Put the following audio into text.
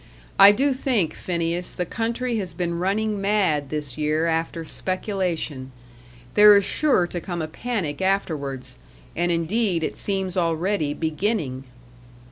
I do think, Phineas, the country has been running mad this year after speculation. There is sure to come a panic afterwards, and indeed it seems already beginning."